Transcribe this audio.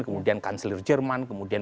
kemudian kanselir jerman kemudian